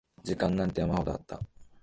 時間なんて山ほどあった